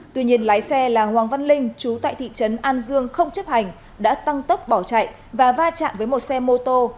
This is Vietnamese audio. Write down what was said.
tuy nhiên lái xe là hoàng văn linh chú tại thị trấn an dương không chấp hành đã tăng tốc bỏ chạy và va chạm với một xe mô tô